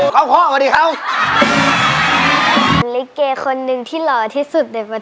โมงฟ้าเพื่อยล้างพวกเรา